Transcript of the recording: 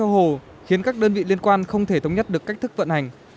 hồ khiến các đơn vị liên quan không thể thống nhất được cách thức vận hành